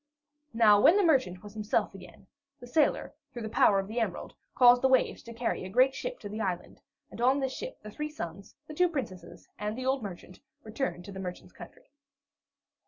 Now when the merchant was himself again, the sailor, through the power of the emerald, caused the waves to carry a great ship to the island, and on this ship the three sons, the two princesses, and the old merchant returned to the merchant's country.